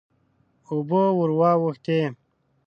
اوبه ور واوښتې.